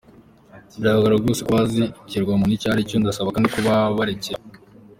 Biragaragaza rwose ko bazi ikiremwamuntu icyo aricyo, ndasaba kandi ko baba barekeye aho.